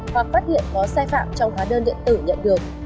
hoặc phát hiện có sai phạm trong hóa đơn điện tử nhận được